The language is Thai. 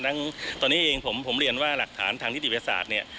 ดังตอนนี้เองผมผมเรียนว่าหลักฐานทางที่ดิเวศาสตร์เนี่ย